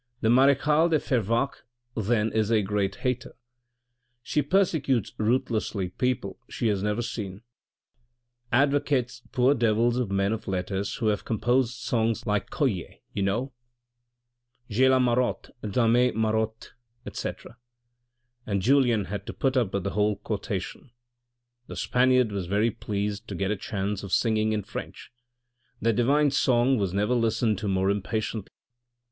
" The marechale de Fervaques then is a great hater ; she persecutes ruthlessly people she has never seen — advocates, poor devils of men of letters who have composed songs like Colle, you know ?" Jai la marotte D'aimer Marote, etc." And Julien had to put up with the whole quotation. The Spaniard was very pleased to get a chance of singing in French. That divine song was never listened to more impatiently.